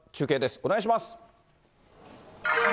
お願いします。